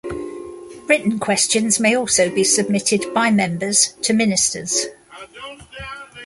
Written questions may also be submitted by members to ministers.